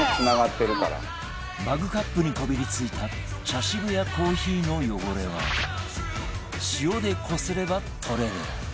マグカップにこびりついた茶渋やコーヒーの汚れは塩でこすれば取れる